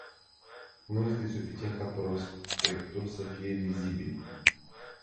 Nu este suficient ca prospectul să fie lizibil.